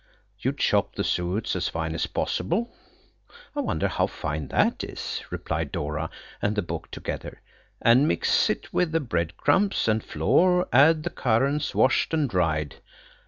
"You'd 'chop the suet as fine as possible'–I wonder how fine that is?" replied Dora and the book together–"'and mix it with the breadcrumbs and flour; add the currants washed and dried.'"